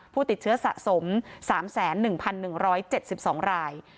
ผู้ติดเชื้อสะสม๓๑๑๗๒ราย